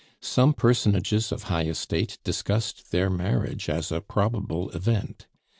Some personages of high estate discussed their marriage as a probable event.